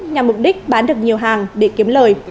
nhằm mục đích bán được nhiều hàng để kiếm lời